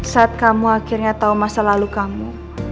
saat kamu akhirnya tahu masa lalu kamu